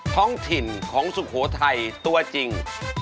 ท้องถิ่นของสุโขทัยตัวจริง